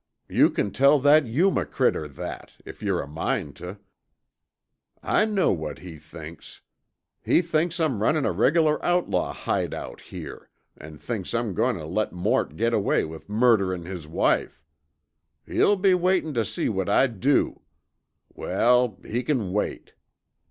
You can tell that Yuma critter that, if yore a mind tuh. I know what he thinks. He thinks I'm runnin' a reg'lar outlaw hideout here an' thinks I'm goin' tuh let Mort get away with murderin' his wife. He'll be waitin' tuh see what I do! Well, he c'n wait!"